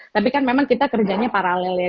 tapi kan memang kita kerjanya paralel ya